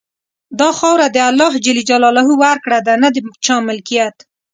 دا خاوره د الله ورکړه ده، نه د چا ملکیت.